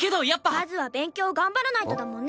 まずは勉強頑張らないとだもんね。